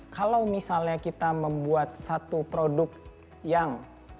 kalau misalnya kita membuat satu produk yang